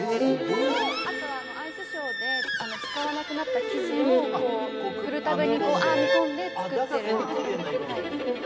あと、アイスショーで使わなくなった生地をプルタブに編み込んで作っている。